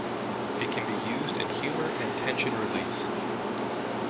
It can be used in humor and tension release.